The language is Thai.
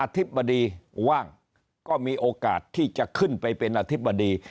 ธิบดีว่างก็มีโอกาสที่จะขึ้นไปเป็นอธิบดี